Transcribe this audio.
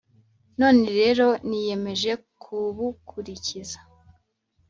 None rero niyemeje kubukurikiza,